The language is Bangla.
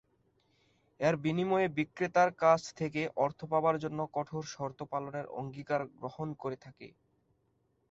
এর বিনিময়ে বিক্রেতার কাছ থেকে অর্থ পাবার জন্য কঠোর শর্ত পালনের অঙ্গীকার গ্রহণ করে থাকে।